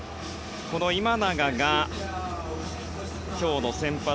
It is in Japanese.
今永が今日の先発。